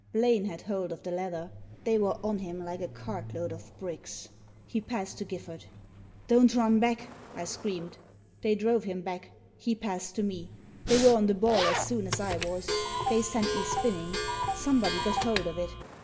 Blaine had hold of the leather. They were on him like a cartload of bricks. He passed to GifTard. " Don't run back !" I screamed. They drove him back. He passed to me. They were on the ball as soon as I was. They sent me spinning. Somebody got hold of it.